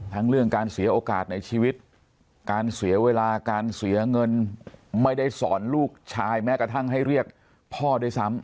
เรื่องการเสียโอกาสในชีวิตการเสียเวลาการเสียเงินไม่ได้สอนลูกชายแม้กระทั่งให้เรียกพ่อด้วยซ้ำ